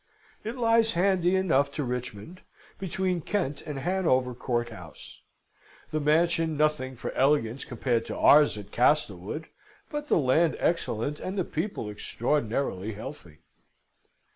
It lies handy enough to Richmond, between Kent and Hanover Court House the mansion nothing for elegance compared to ours at Castlewood, but the land excellent and the people extraordinary healthy.